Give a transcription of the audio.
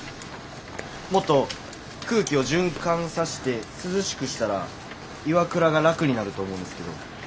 もっと空気を循環さして涼しくしたら岩倉が楽になると思うんですけど。